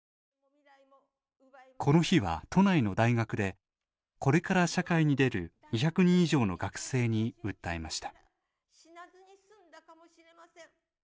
この日は都内の大学でこれから社会に出る２００人以上の学生に訴えました。